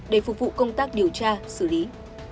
để phục vụ công tác điều tra xử lý